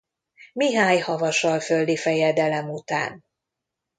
Mihály havasalföldi fejedelem után.